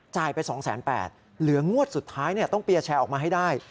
ไป๒๘๐๐บาทเหลืองวดสุดท้ายต้องเปียร์แชร์ออกมาให้ได้